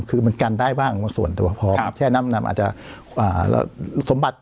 คือมันกันได้บ้างบางส่วนแต่ว่าพอแช่น้ำน้ำน้ำอาจจะอ่าแล้วสมบัติ